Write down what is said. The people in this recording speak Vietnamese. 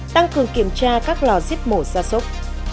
tăng cường kiểm tra các lò giếp mổ xa xúc